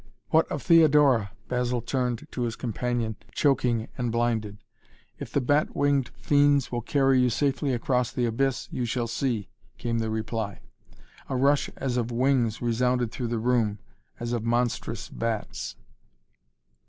"What of Theodora?" Basil turned to his companion, choking and blinded. "If the bat winged fiends will carry you safely across the abyss you shall see," came the reply. A rush as of wings resounded through the room, as of monstrous bats.